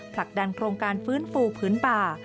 ผลักดันโครงการฟื้นฟูพื้นป่า